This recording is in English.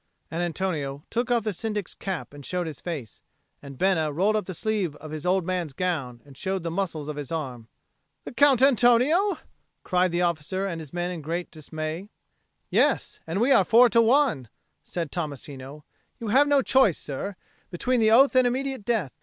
And Antonio took off the Syndic's cap and showed his face; and Bena rolled up the sleeve of his old man's gown and showed the muscles of his arm. "The Count Antonio!" cried the officer and his men in great dismay. "Yes; and we are four to one," said Tommasino. "You have no choice, sir, between the oath and immediate death.